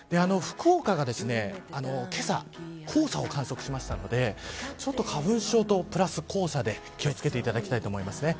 福岡がけさ、黄砂を観測したのでちょっと花粉症とプラス黄砂で気を付けていただきたいと思います。